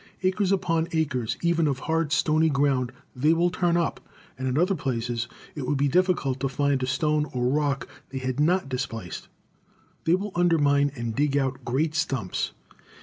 Acres upon acres even of hard, stony ground they will turn up, and in other places it would be difficult to find a stone or rock they had not displaced. They will undermine and dig out great stumps.